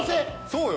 そうよ。